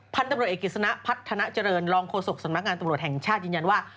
พันธุบริกฤษณะพัฒนาเจริญรองโฆษกสนับงานตบรวจแห่งชาติยินยันว่า